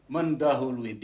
mendahului pekerjaan kita